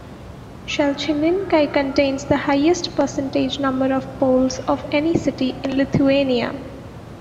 Šalčininkai contains the highest percentage number of Poles of any city in Lithuania.